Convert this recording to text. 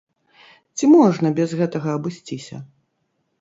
Ці можна без гэтага абысціся?